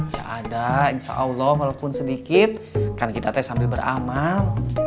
ya ada insya allah walaupun sedikit karena kita teh sambil beramal